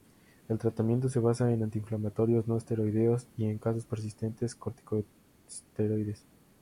El tratamiento se basa en antiinflamatorios no esteroideos y, en casos persistentes, corticosteroides.